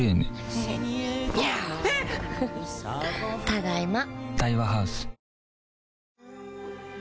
ただいま。